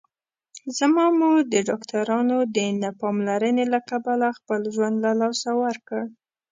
زما مور د ډاکټرانو د نه پاملرنې له کبله خپل ژوند له لاسه ورکړ